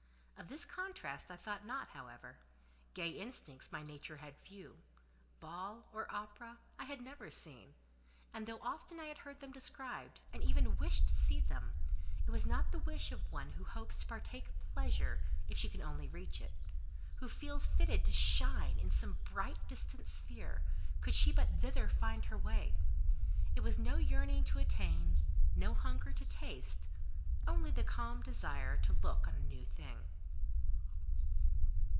Of this contrast I thought not, however: gay instincts my nature had few; ball or opera I had never seen; and though often I had heard them described, and even wished to see them, it was not the wish of one who hopes to partake a pleasure if she could only reach it—who feels fitted to shine in some bright distant sphere, could she but thither win her way; it was no yearning to attain, no hunger to taste; only the calm desire to look on a new thing.